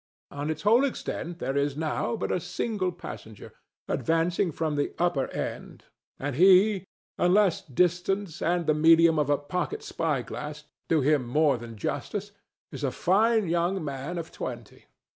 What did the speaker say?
On its whole extent there is now but a single passenger, advancing from the upper end, and he, unless distance and the medium of a pocket spyglass do him more than justice, is a fine young man of twenty.